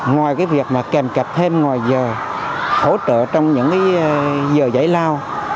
ngoài cái việc mà kèm kẹp thêm ngoài giờ hỗ trợ trong những giờ giải lao